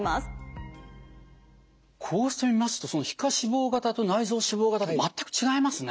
こうして見ますと皮下脂肪型と内臓脂肪型で全く違いますね。